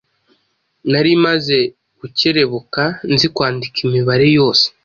Nari maze gukerebuka, nzi kwandika imibare yose